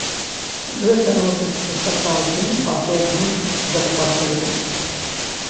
Гэта робіцца сапраўды падобным да шпацыру!